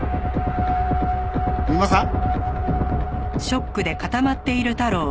三馬さん？